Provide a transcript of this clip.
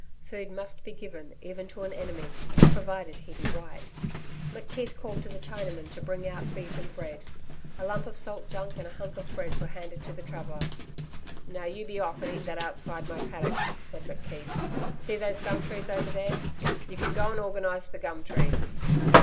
Food must be given even to an enemy provided he be white. McKeith called to the Chinaman to bring out beef and bread. A lump of salt junk and a hunk of bread were handed to the traveller. 'Now you be off, and eat that outside my paddock,' said McKeith. 'See those gum trees over there? You can go and organise the gum trees.'